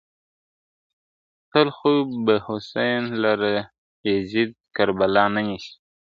تل خو به حسین لره یزید کربلا نه نیسي !.